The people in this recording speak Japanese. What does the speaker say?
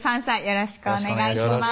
よろしくお願いします